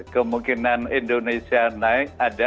kemungkinan indonesia naik ada